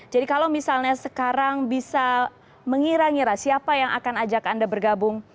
jadi kalau misalnya sekarang bisa mengira ngira siapa yang akan ajak anda bergabung